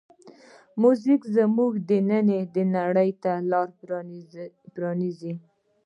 موزیک زمونږ دنننۍ نړۍ ته لاره پرانیزي.